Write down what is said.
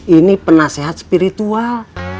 ini penasehat spiritual